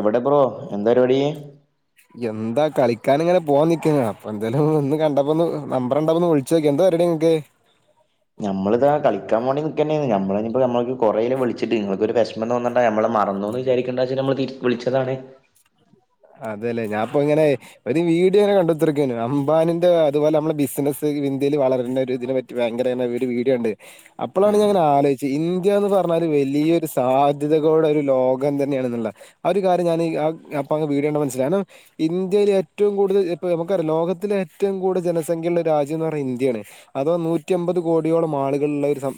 എവിടെ ബ്രോ എന്താരിപാടീ എന്താ കളിക്കാന് ഇങ്ങനെ പോവാൻ നിക്കേനി അപ്പ എന്താലും ഒന്ന് കണ്ടപ്പോന്ന് നമ്പ്രണ്ടപ്പൊന്ന് വിളിച്ചോക്ക്യാ എന്താ പരാടി ഇങ്ങക്ക് ഞമ്മളിതാ കളിക്കാൻ വാണ്ടി നിക്കെന്നേണ് ഞമ്മളിനിപ്പോ ഞമ്മളൊരു കൊറേരെ വിളിച്ചിട്ട് ഇങ്ങക്കൊരു വെഷ് ഒന്നുംതോന്നണ്ട ഞമ്മള് മറന്നുന്ന് വിചാരിക്കണ്ടാച്ച് നമ്മള് തിരി വിളിച്ചതാണ് അതെല്ലേ ഞാപ്പെങ്ങനെ ഒരു വീട് ഇങ്ങനെ കണ്ടത്തിനടക്കയാണ് അംബാനിന്റെ അതുപോലെ നമ്മളെ ബിസിനസ് ഇന്ത്യിൽ വളരണ്ട ഒരു ഇതിനെ പറ്റി റ്റ് ഭയങ്കരാനെ വീട് വീടുകൻണ്ട് അപ്പളാണ് ഞാൻങ്ങനെ ആലോയ്ച് ഇന്ത്യ ന്ന് പറഞ്ഞാല് വലിയൊരു സാധ്യതകോടെ ഒരു ലോകം തന്നെയാണന്നുള്ള ആ ഒരു കാര്യം ഞാനി ആഹ് അപ്പൊ അങ് വീടിയോകണ്ട മനസിലാ കാര്നം ഇന്ത്യയിൽ ഏറ്റവും കൂടുതൽ ഇപ്പോ നമുക്കറിയാം ലോകത്തിലെ ഏറ്റവും കൂടുതൽ ജനസംഖ്യള്ള ഒരു രാജ്യം എന്ന് പറ ഇന്ത്യാണ് അതോ നൂറ്റി അമ്പത് കോടിയോളം ആളുകളുള്ള ഒരു സം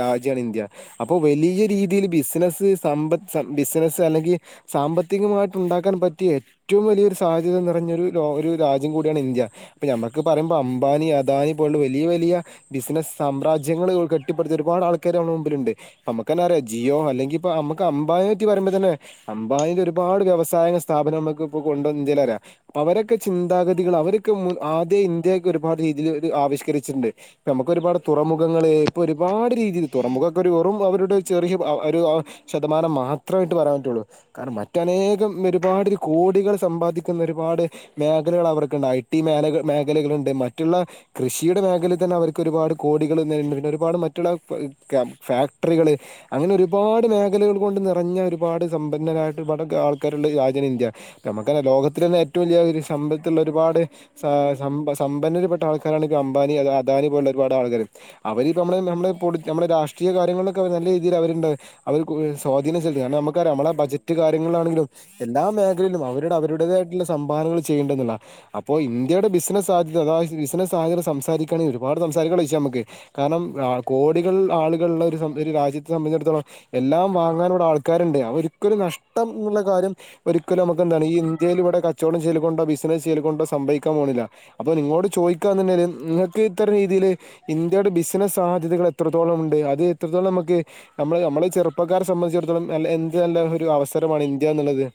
രാജ്യണ് ഇന്ത്യ അപ്പൊ വലിയ രീതീൽ ബിസിനസ്സ് സമ്പത് സ ബിസിനസ്സ് അല്ലെങ്കി സാമ്പത്തികമായിട്ട് ഉണ്ടാ ക്കാൻ പറ്റിയ ഏറ്റവും വലിയൊരു സാഹധ്യത നിറഞ്ഞൊരു ഒരു ലോ ഒരു രാജ്യം കൂടിയാണ് ഇന്ത്യ ഇപ്പൊ ഞമ്മക്ക് പറയുമ്പോ അംബാനി അദാനി പോലുള്ള വലിയ വലിയ ബിസിനസ് സാമ്രാജ്യങ്ങൾ ഒ കെട്ടിപ്പെടുത്തി ഒരുപാട് ആൾക്കാർ നമ്മുടെ മുമ്പിലുണ്ട് നമ്മുക്കന്നാ അറിയ ജിയോ അല്ലെങ്കി ഇപ്പ അമ്മക്ക് അമ്പാനെറ്റി പറയ്മ്പ തന്നെ അംമ്പാനിൻ്റെ ഒരുപാട് വ്യവസായ സ്ഥാപനം നമുക്കിപ്പൊ കൊണ്ടുവന് ഇന്ത്യേലരാ അവരൊക്കെ ചിന്താഗതികൾ അവരൊക്കെ മു ആദ്യ ഇന്ത്യക്കെ ഒരുപാട് രീതിയിൽ അവര് ആവിഷ്കരിച്ചിട്ടുണ്ട് ഇപ്പ ഞമ്മക്ക് ഒരുപാട് തുറമുഖങ്ങള് ഇപ്പൊ ഒരുപാട് രീതിൽ തുറമുഖൊക്കൊരു വെറും അവരുടെ ഒരു ചെറിയ വ ആഹ് ഒരു ആഹ് ശതമാനം മാത്രമായിട്ട് പറയാൻ പറ്റുള്ളൂ കാരണം മറ്റനേകം വരും ഒരുപാട് കോടികൾ സമ്പാദിക്കുന്ന ഒരുപാട് മേഖലകൾ അവർക്കുണ്ട് ഐ ടി മേനക മേഖലകളുണ്ട് മറ്റുള്ള കൃഷിയുടെ മേഖലയിൽ തന്നെ അവർക്ക് ഒരുപാട് കോടികൾ നേരുണ്ട് പിന്നെ ഒരുപാട് മറ്റുള്ള ഫ ഫാക്ടറികള് അങ്ങനെ ഒരുപാട് മേഖലകൾ കൊണ്ട് നിറഞ്ഞ ഒരുപാട് സമ്പന്നരായിട്ട് പല ആൾക്കാരുണ്ട് രാ തിന് ഇന്ത്യ നമുക്കറിയ ലോകത്തിൽ തന്നെ ഏറ്റവും വലിയ ഒരു സംബത്തുള്ള ഒരുപാട് സ സംമ്പ സമ്പന്നരപ്പെട്ട ആൾക്കാരാണ് അംബാനി അദാനി പോലുള്ള ഒരുപാട് ആൾക്കാര് അവരിപ്പ നമ്മള് നമ്മുടെ പൊളി നമ്മുടെ രാഷ്ട്രീയ കാര്യങ്ങളിലൊക്കെ നല്ല രീതിയിൽ അവരുണ്ട് അവര്ക്ക്‌ [unintelligible] സ്വാധീനം ചെൽ കാരണം നമുക്കറിയാം നമ്മളെ ബജറ്റ് കാര്യങ്ങളിലാണെങ്കിലും എല്ലാ മേഖലയിലും അവരുടെ അവരുടേതായിട്ടുള്ള സംഭാവനകൾ ചെയ്യുണ്ടെന്നുള്ള അപ്പോ ഇന്ത്യയുടെ ബിസിനസ് സാധ്യത അതായത് ബിസിനസ് സാധ്യത സംസാരിക്കണേ ഒരുപാട് സംസാരിക്കാനുള്ള വിഷയാ ഞമ്മക്ക് കാരണം ആഹ് കോടികൾ ആളുകളുള്ളൊരു സം ഒര് രാജ്യത്തെ സംബന്ധിച്ചിടത്തോളം എല്ലാം വാങ്ങാനുവ്ടെ ആൾക്കാര്ണ്ട് അവർക്കൊരു നഷ്ടം എന്നുള്ള കാര്യം ഒരിക്കലും അമക്കെന്താണ് ഈ ഇന്ത്യയില്‌വടെ കച്ചോടം ചെയ്യല് കൊണ്ടോ ബിസിനസ്യ്യല്കൊണ്ടോ സംഭവിക്കാൻ പോണില്ല അപ്പൊ നിങ്ങളോട് ചോദിക്കാന്ന്ണ്ടെല് ഉം നിങ്ങക്ക് ഇത്ര രീതില് ഇന്ത്യയുടെ ബിസിനസ് സാധ്യതകൾ എത്രത്തോളംണ്ട് അത് എത്രത്തോളം അമക്ക് ന്നമ്മള് ന്നമ്മള് ഈ ചെറുപ്പക്കാരെ സംബന്ധിച്ചിടത്തോളംഎല്ല എന്ത് നല്ല ഒരു അവസരമാണ് ഇന്ത്യ എന്ന്ള്ളത്.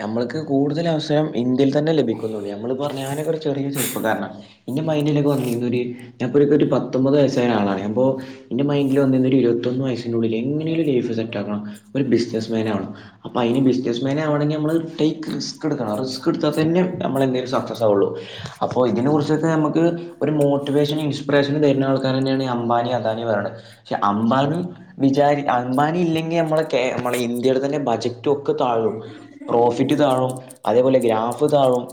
ഞമ്മള്ക്ക് കൂടുതൽ അവസരം ഇന്ത്യയിൽ തന്നെ ലഭിക്കുന്നുള്ളൂ ഞമ്മളെന്ന് പറഞ്ഞ ഞാനൊക്കെ ഒരു ചെറിയ ചെറുപ്പക്കാരനാണ് ഇന്റെ മൈൻിലൊക്കെ വന്നിന്നൊര് ഞാൻപ്പോരു പത്തൊമ്പത് വയസ്സായ ആളാണ് അപ്പോ ഇന്റെ മൈൻഡില് വന്നിന്നൊര് ഇരുപത്തൊന്ന് വയസിനുള്ളില് എങ്ങനെലും ലൈഫ് സെറ്റാഗണം ഒരു ബിസിനസ് മാൻ ആവണം. അപ്പ അയ്ന് ബിസിനസ്മാൻ ആവണെങ്കി ഞമ്മള്ത് ടെക്ക് റിസ്ക്ട്ക്കണം റിസ്ക്ക്ട്ത്താതന്നെ ന്നമ്മളെന്തേലും സക്സസാവൊള്ളൂ. അപ്പോ ഇതിനെ കുറിച്ചൊക്കെ ഞമ്മക്ക് ഒര് മോട്ടിവേഷന് ഇൻസ്പറേഷൻ തരുന്ന ആൾക്കാരേന്നെണ് അംബാനി അദാനി പറിണത്. പഷെ അംബാനി വിചാരി അംബാനി ഇല്ലെങ്കി അമ്മളെ കേ ഞമ്മളെ ഇന്ത്യയുടെ തന്നെ ബജറ്റ് റ്റൊക്ക് താഴും പ്രോഫിറ്റ് താഴും അതേപോലെ ഗ്രാഫ് താഴും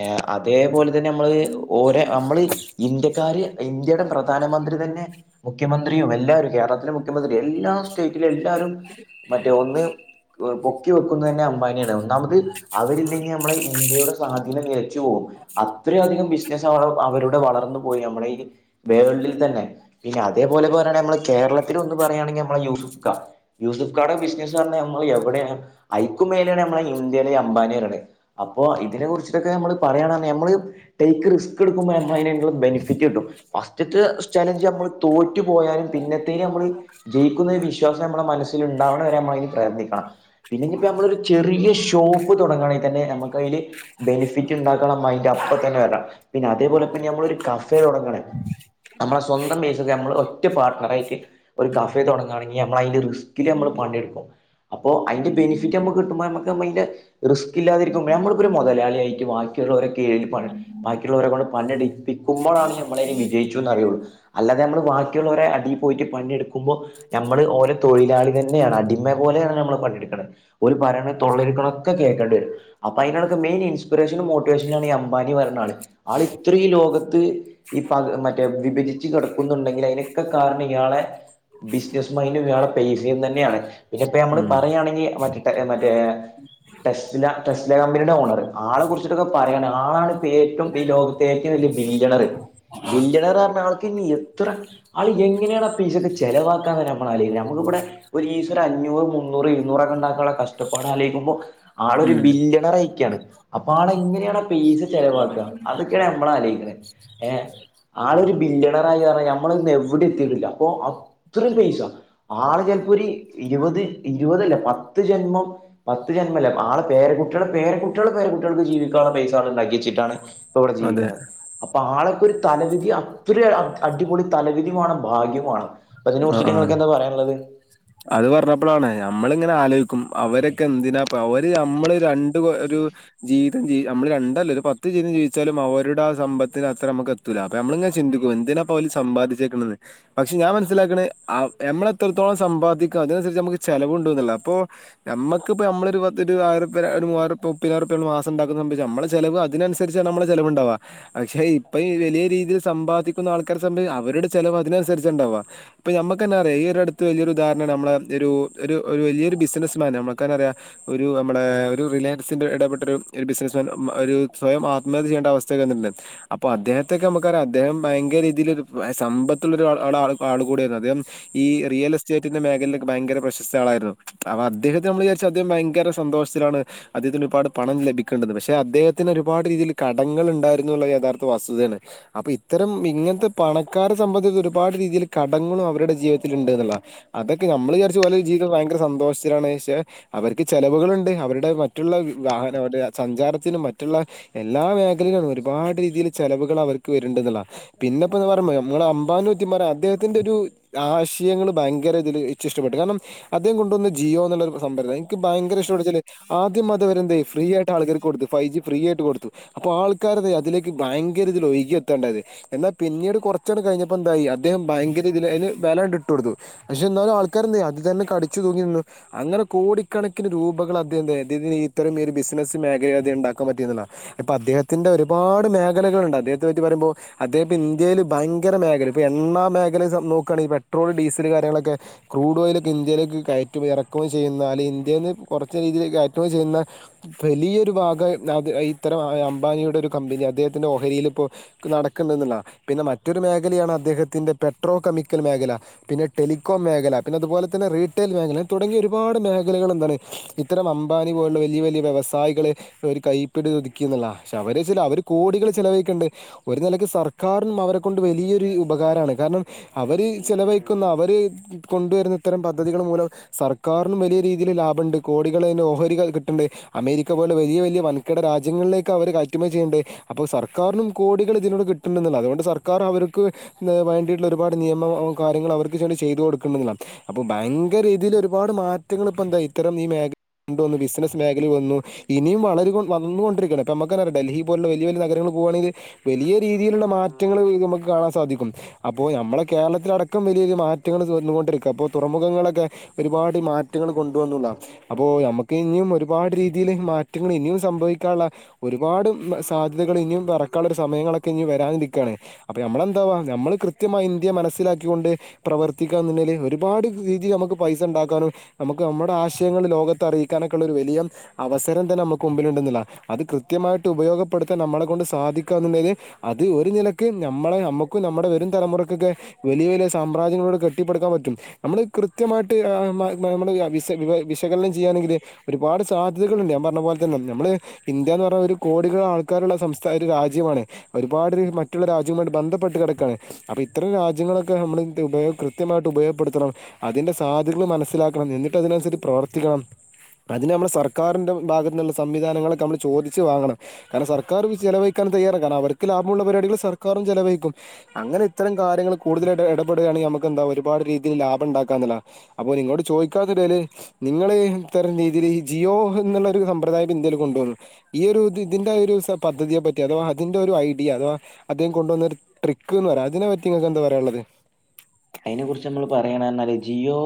എഹ് അതേപോലെ തന്നെ ന്നമ്മള് ഓരേ അമ്മള് ഇന്ത്യക്കാര് ഇന്ത്യയുടെ പ്രധാനമന്ത്രി തന്നെ മുഖ്യമന്ത്രിയും എല്ലാരും കേരളത്തിലെ മുഖ്യമന്ത്രി എല്ലാ സ്റ്റേറ്റിലെല്ലാരും മറ്റേ ഒന്ന് പൊക്കി വെക്കുന്നന്നെ അംബാനിയാണ് ഒന്നാമത് അവരില്ലെങ്കിൽ ഞമ്മളെ ഇന്ത്യയുടെ സാധീനം നിലച്ച്പോവും അത്രിംഅധികം ബിസിനസ് [inaudible] അവരുടെ വളർന്ന് പോയി ന്നമ്മുടെ വേൾഡിൽ തന്നെ പിന്നെ അതേപോലെ പറെണ് ഞമ്മളെ കേരളത്തിലൊന്ന് പറയാണെങ്കി ഞമ്മളെ യൂസുഫ്ക്ക. യൂസഫ് കാടെ ബിസിനസ്സ്റിണേ ഞമ്മള് എവിടെണ് ഐക്കുമേലെണ് ഞമ്മളെയു ഇന്ത്യയിലെ അംബാനി പറിണേ അപ്പോ ഇതിനെ കുറിച്ച്ട്ടൊക്കെ ഞമ്മള് പറയണ ഞമ്മള് ടൈക്ക് റിസ്ക്ക്. ക്ക്‌ ഇട്ക്കുമ്പോ ഞമ്മളയ്നൊരു ബെൻഫിറ്റിട്ടും ഫസ്റ്റ്ത്തെചലഞ്ച് ഞമ്മള് തോറ്റു പോയാലും പിന്നെത് പിന്നെ ഞമ്മള് ജയിക്കുംന്നൊര് വിശ്വാസം ഞമ്മളെ മനസ്സിലുണ്ടാവണവരെ ഞമ്മളയ്ന് പ്രയത്നിക്കണം. പിന്നെ ഇഞ്ഞി ഇപ്പൊ ഞമ്മളൊരു ചെറിയ ഷോപ്പ് തൊടങ്ങാണെങ്കി തന്നെ ഞമ്മക്കയില് ബെനിഫിറ്റ് ണ്ടാക്കണം മൈൻറ് അപ്പ തന്നെ വരാം പിന്നെ അതേപോലെതന്നെ ഞമ്മളൊരു കഫേ തൊടങ്ങാണ് നമ്മളെ സ്വന്തം പെസക്ക്‌ ഞമ്മള് ഒറ്റ പാർട്ടണർ ആയിട്ട് ഒരു കാഫേ തൊടങ്ങാണെങ്കി ഞമ്മളയിന് റിസ് തില് അമ്മള് പണിട്ക്കും അപ്പോ അയിന്റെ ബെനിഫിറ്റ് അമ്മക്ക്‌ കിട്ടുമ്പോ അമക്ക് അം അയിന്റെ റിസ്ക് ഇല്ലാതിരിക്കുമ്പോ ഞമ്മള്പ്പോര് മുതലാളിയായ്ട്ട് ബാക്കിയുള്ളവരേ കീഴില് പണി ബക് ളൊരകൊണ്ട് പണിട്പ്പിക്കുമ്പോഴാണ് ഞമ്മളെയില് വിജയിച്ചു ക്കും ന്നറിയൊള്ളൂ അല്ലാതെ ഞമ്മള് ബാക്കിയുള്ളവരെ അടി പോയിറ്റ് പണിട്ക്കുമ്പോ ഞമ്മള് ഓലെ തൊഴിലാളി തന്നെയാണ് അടിമ പോലെയാണ് ഞമ്മള് പണിട്ക്ക്‌ണേ ഓല് പറെണേ തൊള്ളെര്ക്ക്‌ണ ഒക്കെ കേൾക്കണ്ടെരും അപ്പൊ അയിനണക്ക്‌ മെയിൻ ഇൻസ്പിറേഷനും മോട്ടിവേഷനുയാണ് ഈ അംമ്പനി പറിണ ആള്. ആള് ഇത്ര ഈ ലോകത്ത് ഈ പഹ് മറ്റേ വിഭജിച്ചു കെടക്കുന്നുണ്ടെങ്കി അയിനൊക്കെ കാരണം ഇയാളെ. ബിസിനസ് മൈന്ഡും ഇയാളെ പേസം തന്നെയാണ് പിന്നെ ഇപ്പ ഞമ്മള് ഉം പറയാണെങ്കി മട്ടെ മറ്റേ ടെസ് ല ടെസ് ല കമ്പനിയുടെ ഓണർ ആളെ കുറിച്ചിട്ടൊക്കെ പറയാണ് ആളാണ് ഇപ്പ ഏറ്റവും ഈ ലോക പ്പെറ്റവും വല്ല്യ ബിലിജെണർ ബിൻജെണർ പറഞ്ഞ ആൾക്ക് ഇ എത്ര ആള് എങ്ങനെയാണ് ആ പെസൊക്കെ ചെലവാക്കാന്നന്നെ ഞമ്മള് അലോയിക്ക്ണേ ഞമക്കിവടെ ഒരീസൊരഅഞ്ഞൂറ് മുന്നൂറ് എഴുന്നൂറൊക്കെണ്ടാക്കാനുള്ള കഷ്ടപ്പാട് ആലോഴിക്കുമ്പോ ആളൊരു ഉം ബില്യണർയിക്കാണ്. അപ്പ ആള് എങ്ങനെയാണ് പേയിസ ചെലവാക്ക അതൊക്കെയാണ് എമ്മളാ ആലോയിക്കണേ ഏഹ് ആളൊരു ബില്ലണറായി അറിം ഞമ്മളൊന്നും എവടിം എത്തിട്ടില്ല അപ്പൊ അത്രയും പൈസ ആളൊര് ചെൽപ്പോര് ഇരുപത് ഇരുപതല്ല പത്ത് ജന്മം പത്ത് ജന്മല്ല ആള് പേരകുട്ട്യാളെ പേരകുട്ട്യാളെ പേര കുട്ട്യാക്ക് ജീവിക്കാള്ള പൈസആള് ഇണ്ടാക്കിച്ച്ട്ടാണ് പ്പൊ ഇവടെ അതെ ജീവിക്ക്ണേ അപ്പൊ ആളൊക്കൊ ഒരു തലവിധി അത്ര അടിപൊളി തലവിധി വേണം ഭാഗ്യം വേണം ഇപ്പൊ ഇതിനെ ആ കുറിച്ചിട്ട് ആ ഇങ്ങൾക്കെന്താപറയാള്ളത്? അത് പറഞ്ഞപ്പളാണ് ഞമ്മള്ങ്ങനെ ആലോയിക്കും അവരൊക്കെ എന്തിനാപൊ അവര് അമ്മള് രണ്ട് ഒരു ജീവിക്കണം ജിവി ഞമ്മള് രണ്ടല്ല ഒര് പത്ത്ജീവിതം ജീവിച്ചാലും അവര്ടെ ആ സമ്പത്തിന് അത്ര അമുക്ക് എത് അപ്പൊ നമ്മളങ്ങെ ചിന്തിക്കും എന്തിനാപ്പൊ അവല് സമ്പാതിച്ചേക്കുന്നത് പക്ഷെ ഞാൻ മനസ്സിലാക്കണ നമ്മളെത്രത്തോളം സമ്പാദിക്കും അതിനനുസരിച്ച് നമുക്ക് ചെലവുണ്ടോന്നല്ല അപ്പൊ നമ്മുക്ക്പ്പൊ നമ്മള ഒരുര ഒരു മൂയിരപ്പതിനായിരുപ മാസംണ്ടാക്കുന്ന സംഭവിച്ച നമ്മള ചെല വ ഇതിനനുസരിച്ച് നമ്മള് ചെലവ്ണ്ടാവുക പക്ഷെ ഇപ്പ ഈ വലിയ രീതിയിൽ സമ്പാദിക്കുന്ന ആൾക്കാരെ സംഭവ അവരുടെ ചെലവ് അതിനനുസരിച്ച് ഉണ്ടാവാ ഇപ്പ നമ്മുക്കന്നെ അറിയാ ഈ ഒരു അടുത്ത് വലിയൊരു ഉദാഹാരണം നമ്മള ഒരു ഒരു വലിയൊരു ബിസിനസ്സ്മാൻ നമ്മൾക്കന്ന അറയാം ഒരു നമ്മള ഒരു റിലയൻസിന്റെ ഇടപെട്ട ഒരു ബിസിനസ് മാൻ ഒരു സ്വയം ആത്മഹത്യ ചെയ്യേണ്ട അവസ്ഥയൊക്കെ വന്നിട്ടുണ്ട് അപ്പൊ അദ്ദേഹത്തെൊക്കെ നമുക്കറിയാം അദ്ദേഹം ഭയങ്കര രീതിയി ഒരു സമ്പത്തുള്ള ആള് കൂടിയായിരുന്നു അദ്ദേഹം ഈ റിയൽ സ്റ്റേറ്റിന്റെ മേഖലക്ക് ഭയങ്കര പ്രശസ്ത ആളായിരുന്നു അപ്പ അദ്ദേഹത്തെ നമ്മ വിചാരിച്ച അദ്ദേഹം ഭയങ്കര സന്തോഷത്തിലാണ് അദ്ദേഹത്തിന് ഒരുപാട് പണം ലഭിക്കേണ്ട് പക്ഷെ അദ്ദേഹത്തിന് ഒരുപാട് രീതിയിൽ കടങ്ങൾ ഉണ്ടായിരുന്നുള്ള യഥാർത്ഥ വസ്തുതയാണ് അപ്പൊ ഇത്തരം ഇങ്ങനത്തെ പണക്കാരെ സംബന്ധിച്ച് ഒരുപാട് രീതിയിൽ കടങ്ങളും അവരുടെ ജീവിതത്തില് ഇണ്ട് എന്നുള്ള അതൊക്കെ നമ്മള് വിചാരിച്ച പോലെ ഒരു ജീവിതം ഭയങ്കര സന്തോഷത്തിലാണ് പക്ഷെ അവർക്ക് ചെലവുകളുണ്ട് അവരുടെ മറ്റുള്ള വാഹനം അവരുടെ സഞ്ചാരത്തിനും മറ്റുള്ള എല്ലാ മേഖലയിലും ഒരുപാട് രീതിൽ ചെലവുകൾ അവർക്ക് വരണ്ട് എന്നുള്ളതാണ് പിന്നെപ്പ എന്ന് പറയുമ്പ [unintelligible] അദ്ദേഹത്തിന്റെ ഒരു ആശയങ്ങള് ഭയങ്കര ഇതിൽ ഏറ്റവും ഇഷ്ടപ്പെട്ടു കാരണം അദ്ദേഹം കൊണ്ടുവന്ന ജിയോ എന്നുള്ള ഒരു സംഭരമാണ് എനിക്ക് ഭയങ്കര ഇഷ്ടപ്പെട്ട വെച്ചാല് ആദ്യം അതവരെ എന്തേ ഫ്രീ ആട്ട് ആൾക്കാര്ക്ക് കൊടുത്തു ഫൈവ് ജി ഫ്രീ ആയിട്ട് കൊടുത്തു അപ്പൊ ആൾക്കാര അതിലേക്ക് ഭയങ്കര ഇതിൽ ഒരുകി എത്താണ്ടായത് എന്നാ പിന്നീട് കുറച്ചങ്ങ്ട് കഴിഞ്ഞപ്പോ എന്തായി അദ്ദേഹം ഭയങ്കര ഇതിന് വില അങ്ങിട് ഇട്ടൊടുത്തു പക്ഷെ എന്നാലും ആൾക്കാരെന്തെയ്യും അത് തന്നെ കടിച്ചു തൂങ്ങി നിന്നു അങ്ങനെ കോടിക്കണക്കിന് രൂപകള് അദ്ദേഹം നേടിയത് ഇത്തരം ഒരു ബിസിനസ് മേഖലേൽ അത് ഇണ്ടാക്കാൻ പറ്റിയിന്നുള്ളതാ ഇപ്പൊ അദ്ദേഹത്തിന്റെ ഒരുപാട് മേഖലകളുണ്ട് അദ്ദേഹത്തെ പറ്റി പറയുമ്പോ അദ്ദേഹപ്പം ഇന്ത്യയില് ഭയങ്കര മേഖല ഇപ്പൊ എണ്ണ മേഖല നോക്കുകയാണെങ്കി ഈ പെട്രോള് ഡീസല് കാര്യങ്ങളൊക്കെ ക്രൂഡ് ഓയില് ഒക്കെ ഇന്ത്യയിലേക്ക് കയറ്റും ഇറക്കുകയും ചെയ്യുന്നാല് ഇന്ത്യയിന്ന് കുറച്ച് രീതിയില് കയറ്റുകയും ചെയ്യുന്ന വലിയൊരു ഭാഗം അത് ഇത്തരം അംബാനിയുടെ ഒരു കമ്പനി അദ്ദേഹത്തിന്റെ ഓഹരിയിൽ ഇപ്പോ നടക്ക്ണ്ട് എന്നുള്ളതാ പിന്നെ മറ്റൊരു മേഖലയാണ് അദ്ദേഹത്തിന്റെ പെട്രോ കെമിക്കൽ മേഖല പിന്നെ ടെലികോം മേഖല പിന്ന അതുപോലെ തന്നെ റീറ്റെയിൽ മേഖല തുടങ്ങിയ ഒരുപാട് മേഖലകൾ എന്താണ് ഇത്തരം അംമ്പാനി പോലുള്ള വലിയ വലിയ വ്യവസായികള് ഒരു കൈപ്പടി ഒതുക്കിന്നുള്ള പക്ഷെ അവര് ചില അവര് കോടികള് ചിലവഴിക്ക്ണ്ട് ഒരു നിലക്ക് സർക്കാരും അവരെക്കൊണ്ട് വലിയൊരു ഉപകാരാണ് കാരണം അവര് ചിലവ ന്ന അവര് കൊണ്ടുവരുന്ന ഇത്തരം പദ്ധതികള് മൂലം സർക്കാരിന് വലിയ രീതിയിൽ ലാഭണ്ട് കോടികള് അയിന് ഓഹരികൾ കിട്ടണ്ട് അമേരിക്ക പോലെ വലിയ വലിയ വൻകിട രാജ്യങ്ങളിലേക്ക് അവര് കയറ്റുമതി ചെയ്യ്ണ്ട് അപ്പൊ സർക്കാരിനും കോടികൾ ഇതിനോട് കിട്ട്ണ്ട്ന്ന്ള്ളതാ അതുകൊണ്ട് സർക്കാർ അവർക്ക് വേണ്ടിയിട്ടുള്ള ഒരുപാട് നിയമം കാര്യങ്ങൾ അവ ചെയ്ത് കൊടുക്ക്ണ്ട്ന്നാ അപ്പ ഭയങ്കര രീതിയിൽ ഒരുപാട് മാറ്റങ്ങൾ ഇപ്പ എന്താ ഇത്തരം ഈ മേഖല കൊണ്ടു വന്ന് ബിസിനസ് മേഖലേൽ വന്നു ഇനിയും വള വളന്നുകൊണ്ടിരിക്ക ഇപ്പ നമുക്കറിയാം ഡൽഹി പോലുള്ള വലിയ വലിയ നഗരങ്ങളിൽ പോകുവാണെങ്കില് വലിയ രീതിയിലുള്ള മാറ്റങ്ങൾ നമുക്ക് കാണാൻ സാധിക്കും അപ്പോ നമ്മുടെ കേരളത്തിലടക്കം വ മാറ്റങ്ങൾ വന്നുകൊണ്ടിരിക്ക അപ്പൊ തുറമുഖങ്ങളൊക്കെ ഒരുപാട് മാറ്റങ്ങൾ കൊണ്ടുവന്നുള്ളാണ് അപ്പൊ നമുക്ക് ഇനിയും ഒരുപാട് രീതിയിൽ മാറ്റങ്ങൾ ഇനിയും സംഭവിക്കാനുള്ള ഒരുപാട് സാധ്യതകൾ ഇനിയും പറക്കാനുള്ള ഒരു സമയങ്ങളൊക്കെ ഇനി വരാനിരിക്കാണ് അപ്പൊ നമ്മളെന്താവാ നമ്മള് കൃത്യമായ ഇന്ത്യ മനസ്സിലാക്കി കൊണ്ട് പ്രവർത്തിക്കാന്ന് ഇണ്ടെങ്കില് ഒരുപാട് രീതിൽ നമുക്ക് പൈസ ഇണ്ടാക്കാനും നമുക്ക് നമ്മുടെ ആശയങ്ങൾ ലോകത്ത് അറിയിക്കാനൊക്കെയിള്ള ഒരു വലിയ അവസരം തന്നെ നമുക്ക് മുമ്പില ഉണ്ടെന്നുള്ളതാണ് അത് കൃത്യമായിട്ട് ഉപയോഗപ്പെടുത്താൻ നമ്മളെ കൊണ്ട് സാധിക്കുക എന്നുള്ളത് അത് ഒരു നിലക്ക് നമ്മളെ നമ്മുക്കും നമ്മുടെ വരും തലമുറക്കൊക്കെ വലിയ വലിയ സാമ്രാജ്യങ്ങളും കെട്ടിപ്പടുക്കാൻ പറ്റും നമ്മള് കൃത്യമായിട്ട് നമ്മള് വി വി വിശകലനം ചെയ്യുവാണെങ്കില് ഒരുപാട് സാധ്യതകളുണ്ട് ഞാൻ പറഞ്ഞ പോലെ തന്നെ നമ്മള് ഇന്ത്യ എന്ന് പറഞ്ഞാ ഒരു കോടികള് ആൾക്കാരുള്ള സംസ്ഥാന ഒരു രാജ്യമാണ് ഒരുപാട് മറ്റുള്ള രാജ്യങ്ങളുമായിട്ട് ബന്ധപ്പെട്ട് കിടക്കയാണ് അപ്പൊ ഇത്തരം രാജ്യങ്ങളൊക്കെ നമ്മള് ഉപയോഗം കൃത്യമായിട്ട് ഉപയോഗപ്പെടുത്തണം അതിന്റെ സാധ്യതകൾ മനസ്സിലാക്കണം എന്നിട്ട് അതിനനുസരിച്ച് പ്രവർത്തിക്കണം അതിന് നമ്മൾ സർക്കാരിന്റെ ഭാഗത്തുള്ള സംവിധാനങ്ങളൊക്കെ നമ്മള് ചോദിച്ചു വാങ്ങണം കാരണം സർക്കാർ ചെലവഴിക്കാൻ തയ്യാറ കാരണം അവർക്ക് ലാഭമുള്ള പരിപാടികൾ സർക്കാരും ചിലവഴിക്കും അങ്ങനെ ഇത്തരം കാര്യങ്ങള് കൂടുതലായിട്ട് എടപെടുകയാണെങ്കി മ്മക്ക് എന്താ ഒരുപാട് രീതിയിൽ ലാഭം ഉണ്ടാക്കാന്നുള്ളതാ അപ്പൊ നിങ്ങോട് ചോദിക്കാതിടല് നിങ്ങള് ഇത്തരം രീതിയിൽ ഈ ജിയോ എന്നുള്ളൊരു സമ്പ്രദായം ഇന്ത്യയിൽ കൊണ്ടുവ [unintelligible] ഈ ഒരു ഇ ഇതിന്റെ ഒരു പദ്ധതിയെ പറ്റി അഥവാ അതിന്റെ ഒരു ഐഡിയ അഥവാ അദ്ദേഹം കൊണ്ടുവന്ന ഒരു ട്രിക്ക് എന്ന് പറയാം അതിനെ പറ്റി നിങ്ങക്ക് എന്താ പറയാനുള്ളത് അതിനെ കുറിച്ച് നമ്മള് പറയണ എന്നാല് ജിയോ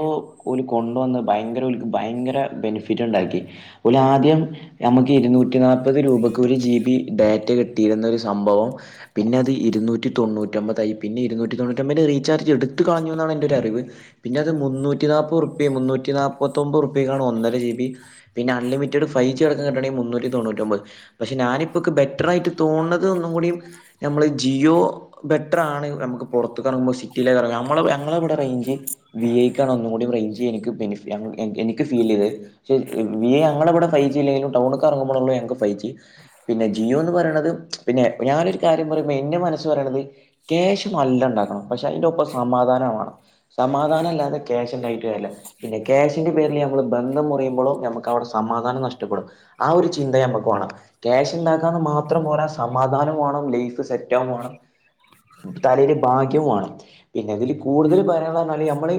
ഓല് കൊണ്ടുവന്ന് ഭയങ്കര ഓല്ക്ക് ഭയങ്കര ബെനിഫിറ്റ് ഉണ്ടാക്കി ഓല് ആദ്യം നമ്മുക്ക് ഇരുന്നൂറ്റി നാല്പത് രൂപക്ക് ഒരു ജി ബി ഡാറ്റ കിട്ടിയിരുന്ന ഒരു സംഭവം പിന്നെ അത് ഇരുന്നൂറ്റി തൊണ്ണൂറ്റൊമ്പതായി പിന്നെ ഇരുന്നൂറ്റി തൊണ്ണൂറ്റൊമ്പതിന്റെ റീചാർജ് എടു എടുത്തു കളഞ്ഞു എന്നാണ് എൻ്റെ ഒരറിവ് പിന്നെ അത് മുന്നൂറ്റി നാപ്പത് റുപ്യ മുന്നൂറ്റി നാല്പ്പത്തൊമ്പത് റുപ്യക്കാണ് ഒന്നര ജി ബി പിന്ന അൺലിമിറ്റഡ് ഫൈ ജി അടക്കം കിട്ടണെങ്കി മുന്നൂറ്റി തൊണ്ണൂറ്റൊമ്പത് പക്ഷെ ഞാനിപ്പോക്ക് ബെറ്ററായിട്ട് തോന്നുന്നത് ഒന്നും കൂടിയും നമ്മള് ജിയോ ബെറ്ററാണ് നമുക്ക് പുറത്ത് കറങ്ങുമ്പോൾ സിറ്റിയിലെകറങ്ങാം ഞങ്ങളെ ഇവിടെ റേഞ്ച് വി ഐക്കാണ് ഒന്നും കൂടി റേഞ്ച് എനിക്ക് എനിക്ക് ഫീൽ ചെയ്തത് പക്ഷെ വി ഐ ഞങ്ങളെവിടെ റേഞ്ച് ഇല്ലെങ്കിലും ടൗണ്ക്ക് ഇറങ്ങുമ്പോൾ ഉള്ള് ഞങ്ങക്ക് ഫൈവ് ജി പിന്നെ ജിയോ എന്ന് പറയണത് പിന്നെ ഞാനൊരു കാര്യം പറയുമ്പോ എന്റെ മനസ്സ് പറയണത് ക്യാഷ് നല്ല ഉണ്ടാക്കണം പക്ഷെ അതിന്റെ ഒപ്പം സമാധാനമാവണം സമാധാനം ഇല്ലാതെ ക്യാഷ് ഉണ്ടായിട്ട് കാര്യം ഇല്ല പിന്നെ ക്യാഷിന്റെ പേരിൽ ഞമ്മൾ ബന്ധം മുറയുമ്പോളും നമുക്ക് അവിടെ സമാധാനം നഷ്ടപ്പെടും ആ ഒരു ചിന്ത നമ്മക്ക് വേണം ക്യാഷ് ഉണ്ടാക്കാന്ന് മാത്രം പോരാ സമാധാനം വേണം ലൈഫ് സെറ്റ് ആകുംവേണം തലയില് ഭാഗ്യംവേണം പിന്നെ ഇതില് കൂടുതൽ പറയണല് നമ്മള്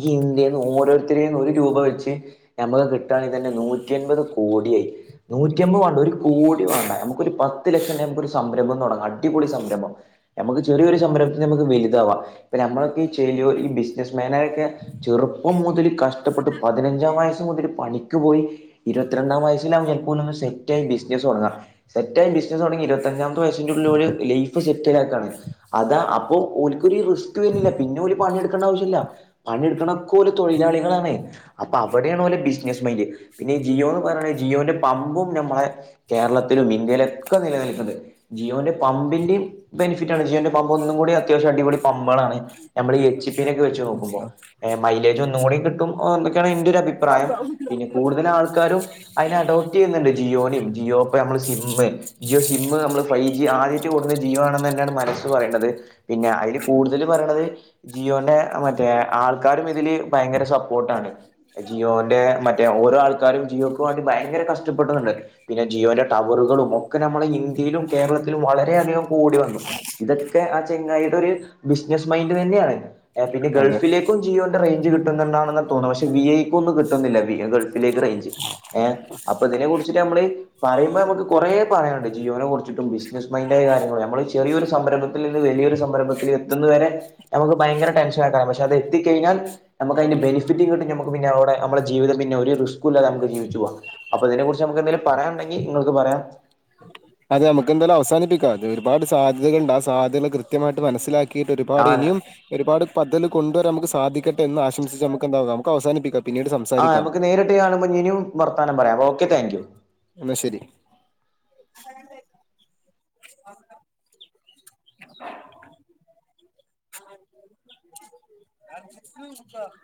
ഈ ഇന്ത്യയിന്ന് ഓരോരുത്തരേന്ന് ഒരു രൂപ വെച്ച് നമുക്ക് കിട്ടുകയാണെങ്കിൽ തന്നെ നൂറ്റി അൻപത് കോടിയായി നൂറ്റിമ്പത് വേണ്ട ഒരു കോടി വേണ്ട നമുക്കൊരു പത്ത് ലക്ഷം നമുക്ക് ഒരു സംരംഭം തുടങ്ങാം അടിപൊളി സംരംഭം നമുക്ക് ചെറിയൊരു സംരംഭത്തി നമുക്ക് വലുതാവാം ഇപ്പ നമ്മളൊക്കെ ഈ ചെയ്യോ ഈ ബിസിനസ്മാനായൊക്കെ ചെറുപ്പം മുതൽ കഷ് ടപ്പെട്ടു പതിനഞ്ചാം വയസ് മുതല് പണിക്ക് പോയി ഇരുത്തി രണ്ടാം വയസിലാവുമ്പോ എനിക്ക് തോന്നുന്ന് സെറ്റായി ബിസിനസ് തുടങ്ങാം സെറ്റായി ബിസിനസ് തുടങ്ങി ഇരുപത്തഞ്ചാമത്തെ വയസിന്റെ ഉള്ളിലൊരു ലൈഫ് സെറ്റില ആക്കാണ് അതാ അപ്പൊ ഓൽക്കൊരു റിസ്ക് വരില്ല പിന്നെ ഓല് പണിയെടുക്കേണ്ട ആവശ്യമില്ല പണിയെടുക്കണൊക്കോലെ തൊഴിലാളികളാണെ അപ്പൊ അവിടെയാണ് ഓലെ ബിസിനസ് മൈന്റ് പിന്നെ ഈ ജിയോ എന്ന് പറയണെ ജിയോന്റെ പമ്പും നമ്മളെ കേരളത്തിലും ഇന്ത്യയിലൊക്കെ നിലനിൽക്ക്ണ്ട് ജിയോന്റെ പമ്പിന്റെയും ബെനിഫിറ്റാണ് ജിയോന്റെ പമ്പ് ഒന്നും കൂടി അത്യാവശ്യം അടിപൊളി പമ്പുകളാണ് നമ്മൾ ഈ എച്ച് പിനൊക്കെവെച്ച് നോക്കുമ്പോ മൈലേജ് ഒന്നും കൂടി കിട്ടും എന്തൊക്കെയാണ് എന്റെ ഒരു അഭിപ്രായം പിന്നെ കൂടുതൽ ആൾക്കാരും അതിനെ അഡോപ്റ്റ് ചെയ്യുന്നുണ്ട് ജിയോനും ജിയോപ്പോ നമ്മള് സിം ജിയോ സിമ്മ് നമ്മള് ഫൈവ് ജി ആദ്യമായിട്ട് കൊടുവന്ന ജിയോ ആണെന്ന് തന്നെയാണ് മനസ്സ് പറയണത് പിന്നെ അതില് കൂടുതൽ പറയണത് ജിയോന്റെ മറ്റേ ആൾക്കാരും ഇതില് ഭയങ്കര സപ്പോർട്ടാണ് ജിയോന്റെ മറ്റേ ഓരോ ആൾക്കാരും ജിയോക്ക് വേണ്ടി ഭയങ്കര കഷ്ടപ്പെടുന്നുണ്ട് പിന്നെ ജിയോന്റെ ടവറുകളും ഒക്കെ നമ്മളെ ഇന്ത്യയിലും കേരളത്തിലും വളരെ അധികം കൂടി വന്നു ഇതൊക്കെ ആ ചെങ്ങായിടൊരു ബിസിനസ് മൈൻഡ് തന്നെയാണ് പിന്നെ അതെ ഗൾഫിലേക്കും ജിയോന്റെ റേഞ്ച് കിട് ട്ടുന്നുണ്ടാണ്ന്ന തോന്നുന്നു പക്ഷെ വി ഐക്ക് ഒന്നും കിട്ടുന്നില്ല വി ഐ ഗൾഫിലേക്ക് റേഞ്ച് ഏ അപ്പതിനെ കുറിച്ചിട്ട് നമ്മള് പറയ്മ്പൊ നമക്ക് കുറേ പറയാൻണ്ട് ജീഒനെ കുറിച്ചിട്ടും ബിസിനസ് മൈൻഡായ കാര്യങ്ങൾ നമ്മള് ചെറിയൊരു സംരംഭം ത്തിൽ നിന്ന് വലിയൊരു സംരംഭത്തിൽ എത്തുന്ന വരെ നമക്ക് ഭയങ്കര ടെൻഷനാ ടൈം പക്ഷെ അത് എത്തിക്കയ്ഞ്ഞാൽ നമക്കയിന്റെ ബെനിഫിറ്റ കിട്ടും ഞമ്മക്ക് പിന്നെ അവടെ അമ്മടെ ജീവിതം പിന്ന ഒരുറിസ്ക്കുല്ലാതെ അമ്മക്ക് ജീവിച്ചു പോവാ അപ്പൊതിനെ കുറിച്ച് നമക്ക് എന്തെങ്കിലും പറയാണ്ടെങ്കി ങ്ങൾക്ക് പറയാം അതെ നമുന്തായാലും അവാനപ്പിക്കാം അത് ഒരുപാട് സാധ്യതകുണ്ട് സധ്യത കൃത്യമായിട്ട് മനസിലാ ക്കീട്ട് ഒരുപാട് ആഹ് ഇനിയും ഒരുപാ പദ്ധൽ കൊണ്ട് വരാ നമുക്ക് സാധിക്കട്ടെ എന്ന് ആഷംസിച്ച് നമുക്ക് എന്താവ നമുക്ക് അവാനിപ്പിക്കാം ആഹ് നമക്ക് നേരിട്ട് കാണുമ്പോൾ ഇനിയും വർത്താനം പറയാം ഓക്കെ താങ്ക് യു ന്ന ശരി